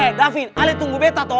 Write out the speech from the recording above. eh davin ale tunggu betta toh